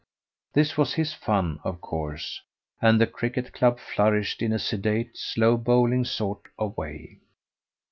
This was his fun, of course, and the cricket club flourished in a sedate, slow bowling sort of way.